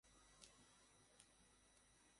তাকে আশীর্বাদ করুন।